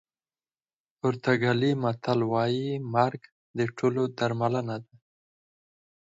پرتګالي متل وایي مرګ د ټولو درملنه ده.